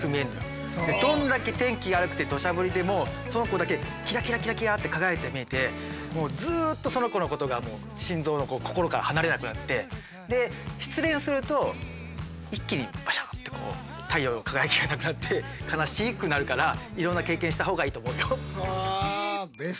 どんだけ天気が悪くてどしゃ降りでもその子だけキラキラキラキラって輝いて見えてずっとその子のことが心臓の心から離れなくなってで失恋すると一気にバシャッて太陽の輝きがなくなって悲しくなるからいろんな経験した方がいいと思うよ。